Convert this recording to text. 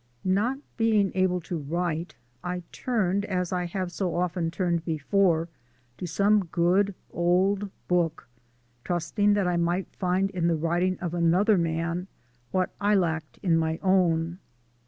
Not being able to write I turned, as I have so often turned before, to some good old book, trusting that I might find in the writing of another man what I lacked in my own.